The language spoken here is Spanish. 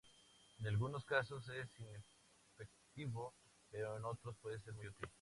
En algunos casos es inefectivo pero en otros puede ser muy útil.